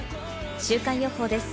週間予報です。